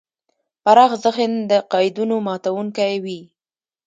پراخ ذهن د قیدونو ماتونکی وي.